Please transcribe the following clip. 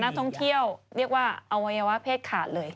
ท่องเที่ยวเรียกว่าอวัยวะเพศขาดเลย